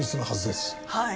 はい。